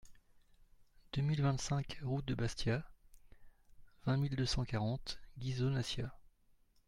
deux mille vingt-cinq route de Bastia, vingt mille deux cent quarante Ghisonaccia